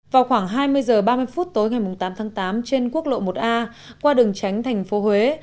vào khoảng hai mươi h ba mươi phút tối ngày tám tháng tám trên quốc lộ một a qua đường tránh thành phố huế